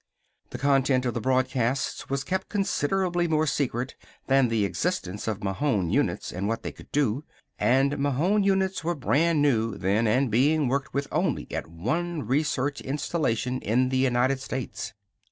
The content of the broadcasts was kept considerably more secret than the existence of Mahon units and what they could do. And Mahon units were brand new, then, and being worked with only at one research installation in the United States.